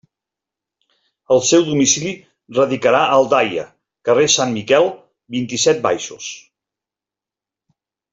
El seu domicili radicarà a Aldaia, carrer Sant Miquel, vint-i-set, baixos.